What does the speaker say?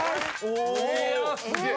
いやすげえ！